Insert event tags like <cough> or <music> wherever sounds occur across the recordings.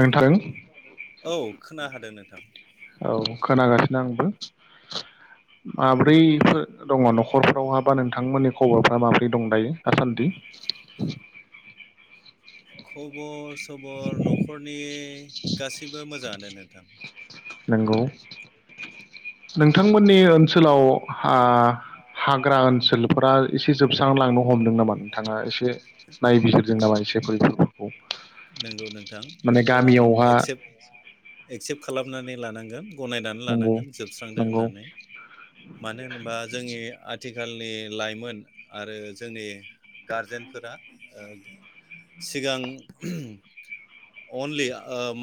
नोंथां औ खोना हादों <unintelligible> औ खोनागासिनो आंबो माब्रैफोर दङ नखरफ्रावहा बा नोंथांमोननि खबरफ्रा माब्रै दं दायो दासान्दि खबर सबर नखरनि गासैबो मोजाङानो नोंथां नंगौ नोंथां नोंथमोननि ओनसोलाव ओ हाग्रा ओनसोलफोरा एसे जोबस्रांलांनो हमदों नामा नोंथाङा एसे नायबिजिरदों नामा एसे बिफोरखौ नंगौ नोंथां माने बेखौ आं गामियावहा एक्सेप्ट एक्सेप्ट खालामनानै लानांगोन गनायनानै नंगौ लानांगोन जोबस्रांदो नंगौ होननानै मानो होनोबा जोंनि आथिखालनि लाइमोन आरो जोंनि गारजेनफोरा सिगां अनलि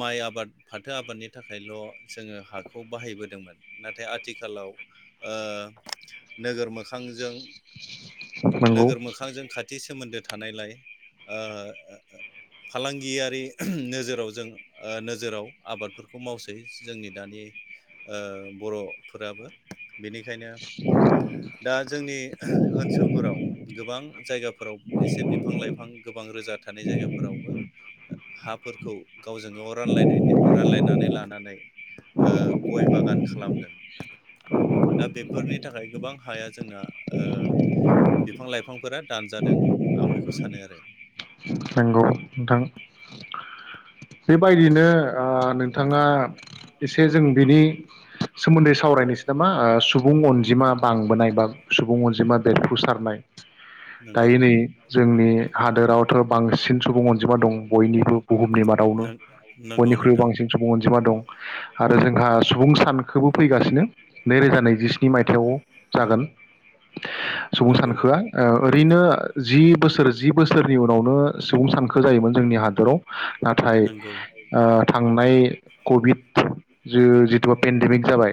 माइ आबाद फाथो आबादनि थाखायल' जोङो हाखौ बाहायबोदोंमोन नाथाय आथिखालाव ओ नोगोर मोखांजों नंगौ नोगोर मोखांजों खाथि सोमोन्दो थानायलाय ओ फालांगियारि नोजोराव जों नोजोराव आबादफोरखौ मावसै जोंनि दानि औ बर'फोराबो <inaudible> बेनिखायनो दा जोंनि ओनसोलफोराव गोबां जायगाफोराव एसे बिफां लाइफां गोबां रोजा थानाय जायगाफोरावबो हाफोरखौ गावजों गाव रानलाय रानलायनानै लानानै ओ गय बागान खालामदों दा बेफो फोरनि थाखाय गोबां हाया जोंना ओ बिफां लाइफांफोरा दानजादों आं बेखौ सानो आरो नोंगौ नोंथां बेबायदिनो ओ नोंथाङा जों बिनि सोमोन्दै सावरायनोसै नामा सुबुं अनजिमा बांबोनाय बा सुबुं अनजिमा बेरफुसारनाय नोंगौ दायो नै जोंनि हादोराव बांसिन सुबुं अनजिमा दं बयनिबो बुहुमनि मादावनो नोंगौ बयनिख्रुबो नोंथां बांसिन सुबुं अनजिमा दं आरो जोंहा सुबुं सानखोबो फैगासिनो नैरोजा नैजिस्नि मायथाइयाव जागोन सुबुं नंगौ सानखोआ ओ ओरैनो जि बोसोर जि बो जोंनि उनावनो सुबुं सानखो जायोमोन जोंनि हादराव नाथाय नंगौ थांनाय कभिड जिथु पेन्डेमिक जाबाय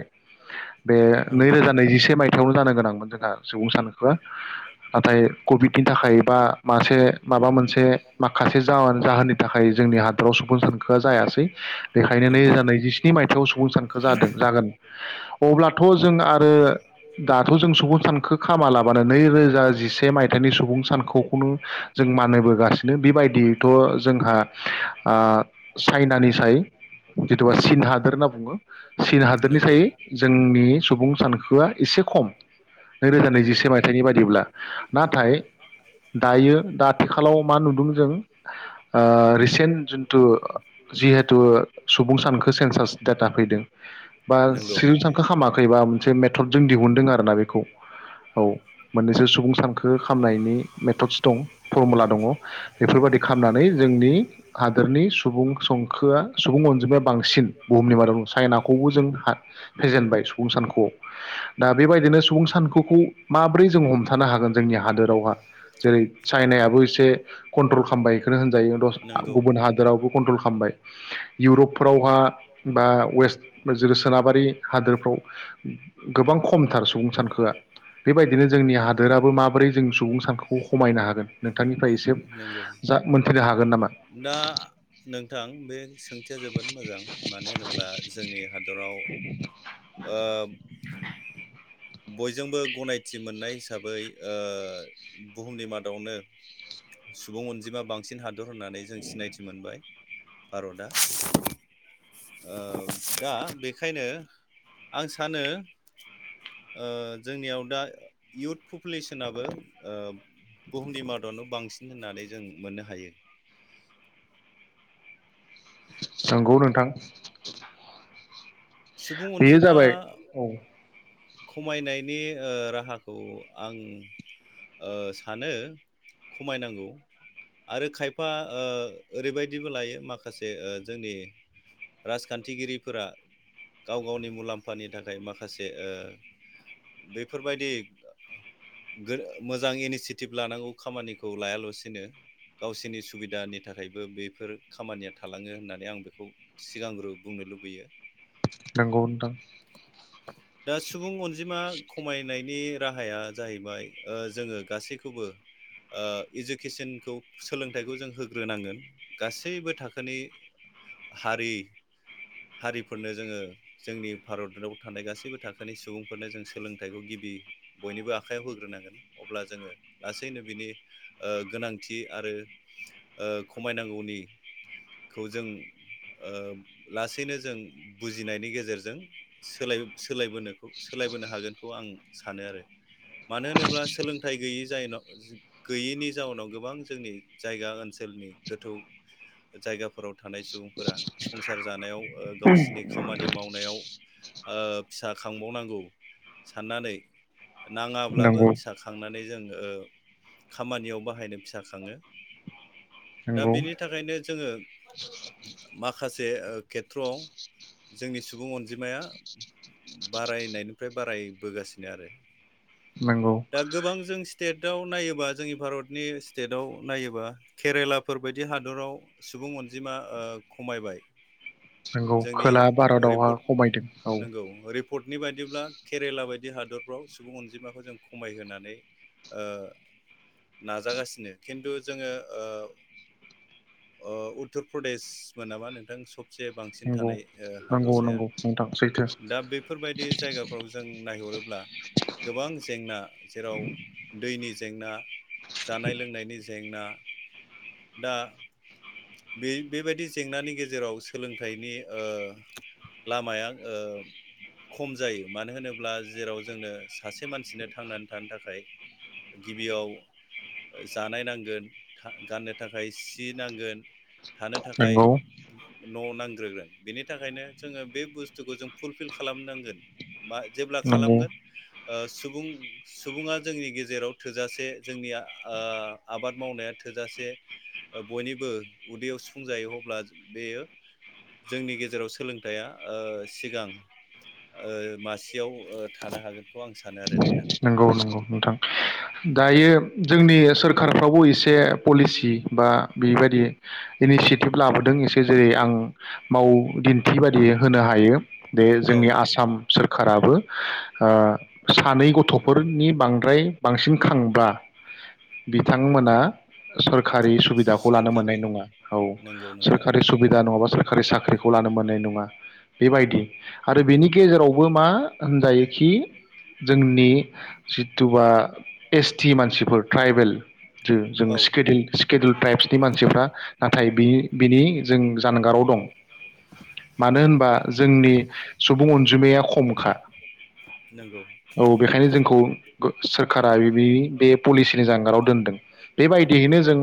बे नंगौ नैरोजा नैजिसे मायथाइयावनो जानो गोनांमोन जोंहा सुबुं सानखोआ नाथाय कभिडनि थाखाय बा दा मासे माबा मोनसे माखासे जावोन जाहोननि थाखाय जोंनि हादोराव सुबुं सानखोआ जायासै बेखायनो नंगौ नैरोजा नैजिस्नि मायथाइयाव सुबुं सानखो जादों जागोन अब्लाथ जों आरो दाथ जों सुबुं सानखो खामालाबानो नैरोजा जिसे मायथाइनि सुबुं सानखौ खुनु जों मानोबोगासिनो बेबायदियैथ जोंहा ओ चाइनानि साय जिथ चन हादोर होनना बुङो चिन हादोरनि नंगौ साय जोंनि सुबुं सानखोआ एसे खम नैरोजा नंगौ नैजिसे नोंथां मायथाइनि बायदिब्ला नाथाय दायो आथिखालाव मा नुदों जों ओ रिसेन्ट जिन्थु जिहेथु सुबुं सानखो सेन्सास डाटा फैदों बा नंगौ सि सानखो खामाखैबा मोनसे मेथदजों दिहुनदों आरोना बेखौ औ मोननैसो सुबुं सानखो खामनायनि मेथडस दं फरमुला दङ बेफोर बायदि खालामनानै जोंनि हादोरनि सुबुं संखोआ सुबुं अनजिमाया बांसिन बुहुमनि मादाव चाइनाखौबो जों फेजेनबाय सुबुं सानखआव दा बेबायदिनो सुबुं सानखखौ माबोरै जों हमथानो हागोन जोंनि हादोरावहा जेरै चाइनायाबो एसे कन्ट्रल खालामबाय बेखौनो होनजायो नंगौ गुबुन हादोरावबो कन्ट्रल खालामबाय इउरपफ्रावहा बा वेस्ट जेरै सोनाबारि हादोरफ्राव गोबां खमथार सुबुं सानखोआ बेबायदिनो जोंनि हादोराबो माबोरै जों सुबुं सानखोखौ खमायना नोंथांनिफ्राय एसे नंगौ जा मोनथिनो हागोन नामा खाथिया जोबोद मोजां मानो होनोब्ला जोंनि हादर <inaudible> आओ बयजोंबो गनायथि मोननाय हिसाबै ओ बुहुमनि मादावनो सुबुं अनजिमा बांसिन हादो दर होननानै जों सिनायथि मोनबाय। भारता <inaudible> दा बेखायनो आं सानो ओ जोंनियाव दा इुथ पपुलेसनाबो बुहुमनि मादावनो बांसिन होननानै जों मोननो हायो नंगौ नोंथां सुबुं बेयो अनजिमा जाबाय औ खमायनायनि ओ राहाखौ आं ओ सानो खमायनांगौ आरो खायफा ओरैबायदिबो लायो माखासे जोंनि राजखान्थिगिरिफोरा गाव गावनि मुलाम्फानि थाखाय माखासे ओ बेफोर बायदि मोजां इनिसियेटिभ लानांगौ खामानिखौ लायालासेनो गावसोरनि सुबिदानि थाखायबो बेफोर खामानिया थालाङो होननानै आं बेखौ सिगांग्रो बुंनो लुबैयो। नंगौ ओनथां अनजिमा खमायनाय नि राहाया जाहैबाय जोङो गासैखौबो इडुकेसनखौ सोलोंथाइखौ जों होग्रो नांगोन गासैबो थाखोनि हारि हारिफोरनो जोङो जोंनि भारताव थानाय गासैबो थाखो नि सुबुंफोरनो जों सोलोंथाइखौ गिबि बयनिबो आखाइायाव होग्रोनांगोन अब्ला जोङो लासैनो बिनि गोनांथि आरो खमायनांगौनिखौ जों लासैनो जों बुजिनायनि गेजेरजों सोल सोलायबोनो खौ सोलायबोनो हागोनखौ आं सानो आरो मानो होनोब्ला सोलोंथाइ गैयै जनाव गैयिनि जाउनाव गोबां जोंनि जायगा ओनसोलनि गोथौ जायगाफोराव थानाय सुबुंफोरा संसार जानायाव ओ गावसिनि खामानि मावनायाव ओ फिसा खांबावनांगौ साननानै नाङाब्लाबो नंगौ फिसा खांनानै जों ओ खामानियाव बाहायनो फिसा खाङो। दा नंगौ बेनि थाखायनो जोङो माखासे बे ओ खेथ्र'आव जोंनि सुबुं अनजिमाया बारायनायनिफ्राय बारायबोगासिनो आरो नंगौ दा गोबां जों स्टेट आव नायोबा जोंनि भारतनि स्टेटआव नायोबा केरेलाफोर बायदि हादराव सुबुं अनजिमा ओ खमायबाय। नोंगौ जोंनि खोला भारतावहा रिपर्ट खमायदों औ। नंगौ रिपर्टनि बायदिब्ला केरेला बायदि हादरफ्राव सुबुं अनजिमाखौ जों खमायहोनानै ओ नाजागासिनो खिन्थु जोङो ओ ओ उत्तर प्रदेश मोन नामा नोंथां सब नोंगौ नंगौ नंगौ नोंथां सैथो। दा बेफोरबायदि जायगाफोराव जों ना <unintelligible> हरोब्ला गोबां जेंना जेराव दैनि जेंना जानाय लोंनायनि जेंना दा बे-बेबायदि जेंनानि गेजेराव सोलोंथाइनि ओ लामाया ओ खम जायो मानो होनोब्ला जेराव जोंनो सासे मानसिनो थांनानै थानो थाखाय गिबियाव जानाय नांगोन था गाननो थाखाय सि नांगोन थानो थाखाय नंगौ न' नां <unintelligible> बेनि थाखायनो जोंङो बे बुस्थुखौ जों फुलफिल खालामनांगोन बा जेब्ला नंगौ खालामगोन ओ सु सुबुं सुबुङा जोंनि गेजेराव थोजासे जोंनिया आ आबाद मावनाया थोजासे बयनिबो उदैयाव सुफुंजायो अब्ला बेयो जोंनि गेजेराव सोलोंथाइया ओ सिगां ओ मासियाव ओ थानो हागोनखौ आं सानो आरो न नंगौ नंगौ नोंथां। दायो जोंनि सोरखारफ्रावबो एसे पलिसि बा बेबायदि इनिसियेटिभ लाबोदों एसे जेरै आं माव दिन्थि बायदि होनो हा बे औ जोंनि आसाम सोर काराबो ओ सानै गथ थ'फोरनि बांद्राय बांसिन खांब्ला बिथांमोना सर खारि सुबिदाखौ लानो मोननाय सरखारि नङा। औ नंगौ नोंथां सोरकारि सुबिदा नङाबा सोरखारि साख्रिखौ लानो मोननाय नङा बेबायदि आरो बेनि गेजेराव बो मा होनजायोखि जोंनि जिथ्थवा एस टि मानसिफोर ट्राइबेल जों जों औ स्केडुल स्केडुल ट्राइब्सनि मानसिफ्रा थाय बि बिनि जों जानगाराव दं मानो होनबा जोंनि सुबुं अनजिमाया खमखा। नंगौ औ बेखायनो जों खौ सोरखारा बे बे पलिसिनि जानगाराव दोनदों। बेबायदियैनो जों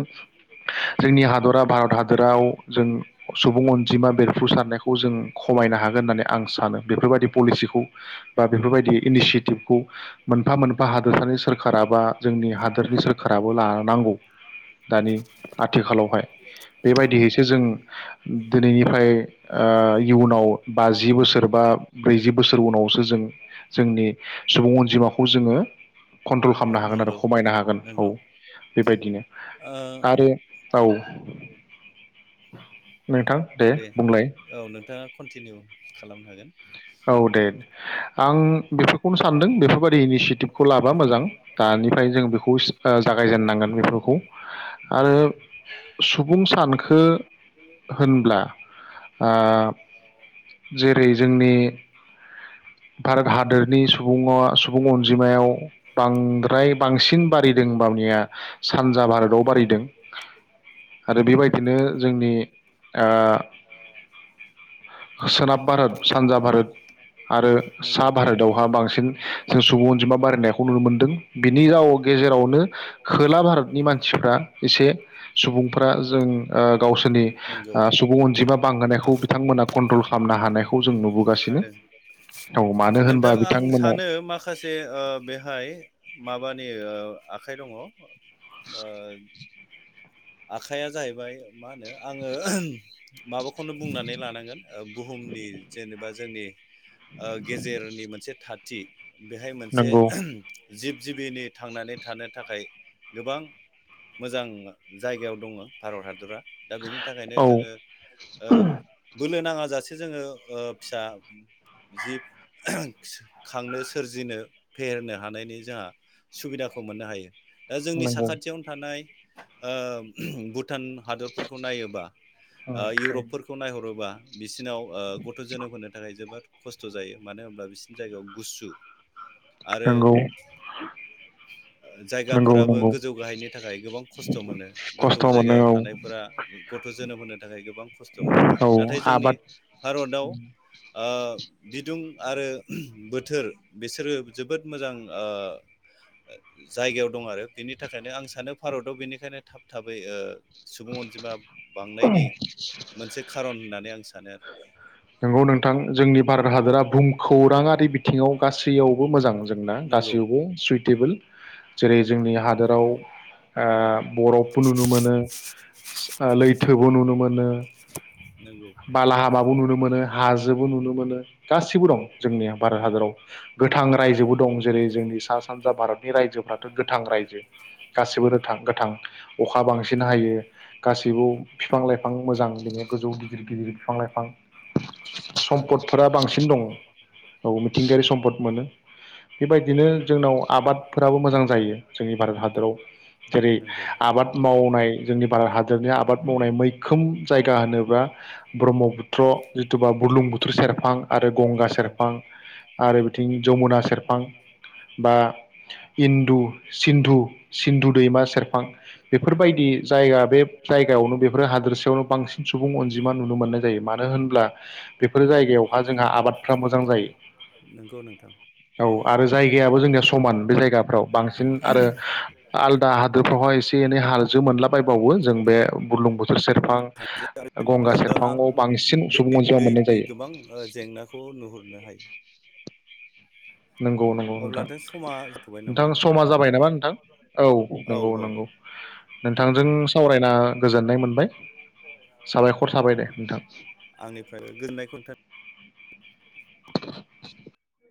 जोंनि हादरा भारत हादराव जों सुबुं अनजिमा बेरफुसारनायखौ जों खमायनो हागोन होननानै आं सानो बेफोरबायदि पलिसिखौ बा बेफोरबायदि इनिसियेटिभखौ मोनफा मोनफा हादोरसानि सोरखारा बा जोंनि हादोरनि सोरखाराबो लानांगौ। दानि आथिखालावहाय बेबायदिहैसो जों दिनैनिफ्राय ओ इयुनाव बाजि बोसोर बा ब्रैजि बोसोर उनावसो जों जोंनि सुबुं अनजिमा खौ जोङो कन्ट्रल खालामनो हागोन आरो नंगौ खमायनो हागोन। औ नंगौ बेबायदिनो ओ आरो औ नोंथां दे बुंलाय औ नोंथाङा कन्टिनिउ खालामनो हागोन। औ दे आं बेफोरखौनो सानदों बेफोरबा बे इनिसियेटिभखौ लाबा मोजां दानिफ्राय जों बेखौ ओ जागायजेननांगोन बेफोरखौ उम आरो सुबुं सानख हो होनब्ला आ जेरै जोंनि भारत हादोर नि सुबुंङा सुबुं अनजिमायाव बांद्राय बांसिन बारिदों <unintelligible> सानजा भारताव बारिदों आरो बेबायदिनो जोंनि आ सोनाब भारत सानजा भारत आरो नंगौ सा भारताव बहा बांसिन सुबुं अनजिमा बारायनायखौ नुनो मोनदों। बिनि जाव गेजेरावनो खोला भारतनि मानसिफ्रा एसे सुबुंफ्रा जों आ गावसोरनि नंगौ आ सुबुं अनजिमा बांहोनायखौ बिथांमोना नट्रल खालामनो हानायखौ जों नुबोगासिनो औ मानो होन दा आं सानो माखासे ओ बेहाय माबानि ओ आखाइ दङ ओ आखाइया जाहैबाय मा होनो आङो माबाखौनो बुंनानै लानांगोन ओ बुहुमनि जेनोबा जोंनि ओ गेजेरनि मोनसे था थि बेहाय मोनसे नंगौ जिब जिबिनि थांनानै थानो थाखाय गोबां मोजां जायगायाव दङ भारत हादरा दा बेनि थाखायनो औ जोङो ओ बोलो नाङा जासे जोङो ओ फिसा जिब खांनो सोरजिनो फेहेरनो हानायनि जोंहा सुबिदाखौ मोननो हायो। दा जोंनि नंगौ साखाथियावनो थानाय ओ भु टान हादरफोरखौ नायोबा ओ इउरपफोरखौ नायहरोबा बेसे नाव गथ जोनोम होनो थाखाय जोबोद खस्थ जायो। मानो होनब्ला बिसोरनि जायगायाव गुसु आरो ओ नंगौ नंगौ जायगाफोराबो नंगौ गोजौ गाहायनि थाखाय गोबां खस्थ खस्थ मोनो गोथौ खस्थ' जायगायाव मोनो औ थानायफोरा गथ जोनोम होनो थाखाय गोबां खस्थ मोनो औ नाथाय जोंनि आबाद भारताव ओ बिदुं आरो बोथोर बिसोरो जोबोद मोजां ओ जायगायाव दं आरो बिनि थाखायनो आं सानो भारताव बेनि खायनो थाब थाबै ओ सुबुं अनजिमा बांनायनि मोनसे खारन होननानै आं सानो आरो। नंगौ नोंथां जोंनि भारत हादरा भुमखौराङारि बिथिङाव गासैयाव बो मोजां जोंना नंगौ गासैबो सुइ टेबोल जेरै जोंनि हादोराव बरफबो नुनो मोनो लैथोबो नुनो मोनो, नंगौ बाला हामाबो नुनो मोनो मोनो हाजोबो नुनो मोनो गासिबो दं जोंनि भारत हादराव गोथां राइजोबो दं जेरै जोंनि सा - सानजा भारतनि रायजोफ्राथ' गोथां रायजो गासिबो गोथां गोथां अखा बांसिन हायो। गासैबो बिफां लाइफां मोजां बि गोजौ गिदिर गिदिर बिफां लाइफां नंगौ सम्पदफोरा बांसिन दङ औ मिथिंगायारि सम्पद मोनो बेबायदिनो जोंनाव आबादफोराबो मोजां जायो जोंनि भारत हादराव जेरै नंगौ आबाद मावनाय जोंनि भारत हादरनि आबाद मावनाय मैखोम जायगा होनोब्ला ब्रह्मपुत्र' जिथुबा बुरलुंबुथुर सेरफां आरो गंगा औ सेरफां आरो बिथिं जमुना सेरफां बा इन्दु सिन्धु सिन्धु दैमा सेरफां बेफोरबायदि जायगा बे जायगायावनो बेफोर हादोरसेायावनो बांसिन सुबुं अनजिमा नुनो मोननाय जायो मानो होनब्ला बेफोर जायगायावहा जोंहा आबादफ्रा मोजां नंगौ नोंथां जायो औ आरो जायगायाबो जोंनिया समान बे जायगा फोराव बांसिन आरो आलदा हादोरफ्रावहाय एसे एनै हाजो मोनलाब - बायबावो जों बे बुर्लुंबुथुर सेरफां हाजो आरो गंगा ओ आं सेरफाङाव बांसिन सुबुं दै अनजिमा मोननाय दैनि जायो। गोबां ओ जेंनाखौ नुहुरनो हायो नंगौ नंगौ नोंथां अब्ला समा जाथ'बाय नोंथां नामा समा जाबाय नामा नोंथां औ नंगौ नंगौ। नोंथांजों सावरायना गोजोननाय मोनबाय साबायखर थाबाय दे नोंथां। आंनिफ्राय गोजोननाय खोन्था <unintelligible>